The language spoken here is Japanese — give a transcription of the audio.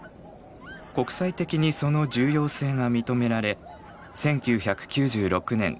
国際的にその重要性が認められ１９９６年